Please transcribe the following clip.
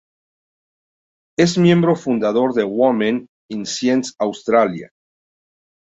Es miembro fundador de Women in Science Australia.